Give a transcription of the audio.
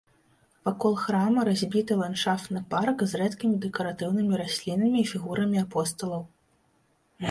Вакол храма разбіты ландшафтны парк з рэдкімі дэкаратыўнымі раслінамі і фігурамі апосталаў.